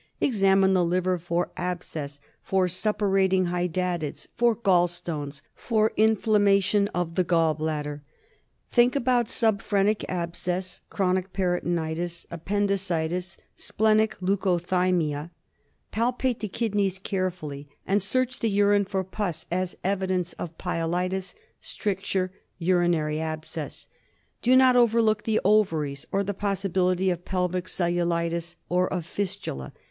Examine the liver for abscess, for suppu rating hydatids, for gall stones, for inflammation of the gall bladder. Think about subphrenic abscess, chronic peritonitis, appendicitis, splenic leucocythemia ; palpate the kidneys carefully, and search the urine for pus as evidence of pyelitis, stricture, urinary abscess. Do not overlook the ovaries, or the possibility of pelvic cellulitis, or of fistula.